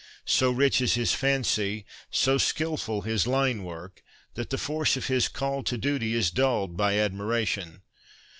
So rich is his fancy, so skilful his line work, that the force of his call to duty is dulled by admiration.